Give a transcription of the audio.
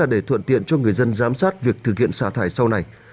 để giám sát việc thực hiện xả thải sau này